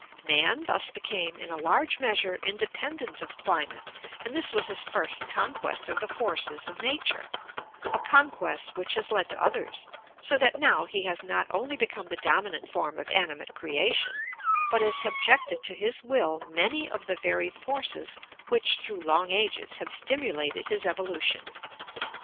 Man thus became in a large measure independent of climate and this was his first conquest of the forces of nature, a conquest which has led to others, so that now he has not only become the dominant form of animate creation, but has subjected to his will many of the very forces which through long ages have stimulated his evolution.